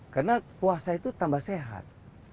karena puasa itu tambah sehat